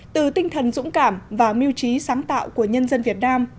từ tinh thần dũng cảm và mưu trí sáng tạo của nhân dân việt nam